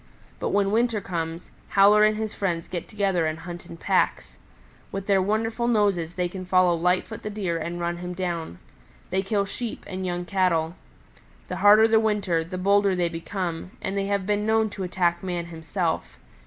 But when winter comes, Howler and his friends get together and hunt in packs. With their wonderful noses they can follow Lightfoot the Deer and run him down. They kill Sheep and young Cattle. The harder the winter the bolder they become, and they have been known to attack man himself.